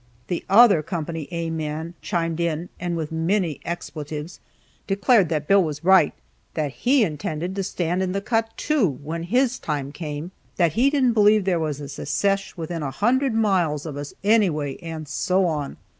The other Co. A man chimed in, and with many expletives declared that Bill was right, that he intended to stand in the cut too when his time came, that he didn't believe there was a Secesh within a hundred miles of us, anyway, and so on.